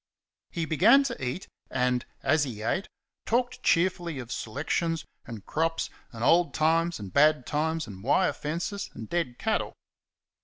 He began to eat and, as he ate, talked cheerfully of selections and crops and old times and bad times and wire fences and dead cattle.